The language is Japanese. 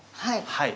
はい。